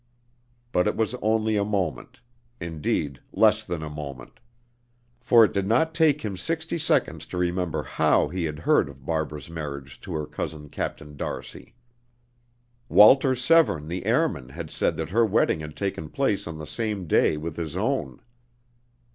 But it was only a moment; indeed, less than a moment. For it did not take him sixty seconds to remember how he had heard of Barbara's marriage to her cousin Captain d'Arcy. Walter Severne the airman had said that her wedding had taken place on the same day with his own.